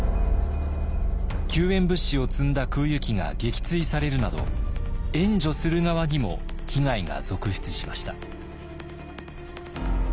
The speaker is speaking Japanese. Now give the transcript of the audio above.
救援物資を積んだ空輸機が撃墜されるなど援助する側にも被害が続出しました。